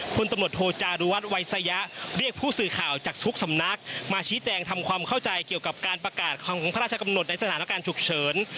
ตำรวจโทจารุวัฒนวัยสยะเรียกผู้สื่อข่าวจากทุกสำนักมาชี้แจงทำความเข้าใจเกี่ยวกับการประกาศของพระราชกำหนดในสถานการณ์ฉุกเฉิน